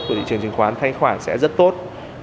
thị trường trình khoán thanh khoản sẽ rất tốt